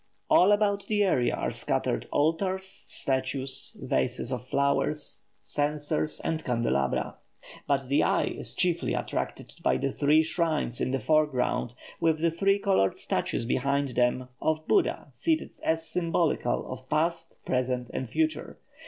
All about the area are scattered altars, statues, vases of flowers, censers, and candelabra. But the eye is chiefly attracted by the three shrines in the foreground, with the three coloured statues behind them, of Buddha, seated as symbolical of Past, Present, and Future.